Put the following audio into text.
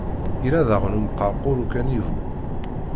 Yella daɣen umqerqur ukanivu.